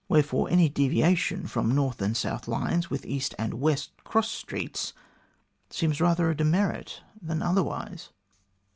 Where fore, any deviation from north and south lines with east and west cross streets seems rather a demerit than otherwise."